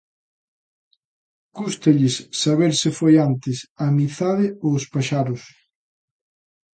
Cústalles saber se foi antes a amizade ou os paxaros.